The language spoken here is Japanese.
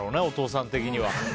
お父さん的には。